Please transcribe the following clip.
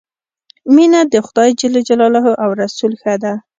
مینه د خدای ج او رسول ښه ده.